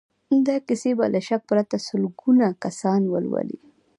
دا کيسې به له شک پرته سلګونه کسان ولولي.